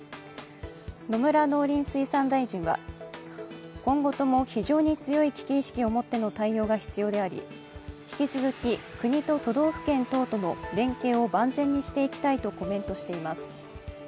野村農林水産大臣は、今後とも非常に強い危機意識を持っての対応が必要であり引き続き国と都道府県等との連携を万全にしていきたいとコメントしています。